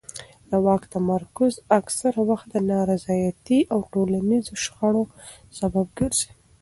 د واک تمرکز اکثره وخت د نارضایتۍ او ټولنیزو شخړو سبب ګرځي